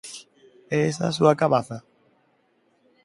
É esa a súa cabaza?